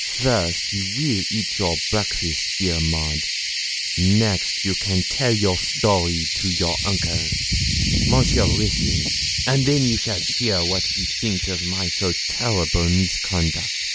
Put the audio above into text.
'First you will eat your breakfast, dear Maud; next you can tell your story to your uncle, Monsieur Ruthyn; and then you shall hear what he thinks of my so terrible misconduct.